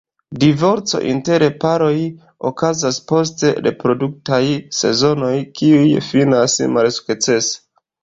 Divorco inter paroj okazas post reproduktaj sezonoj kiuj finas malsukcese.